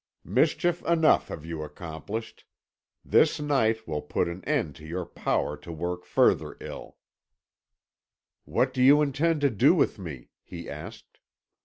Mischief enough have you accomplished this night will put an end to your power to work further ill.' "'What do you intend to do with me?' he asked.